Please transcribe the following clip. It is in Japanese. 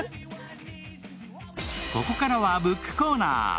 ここからはＢＯＯＫコーナー。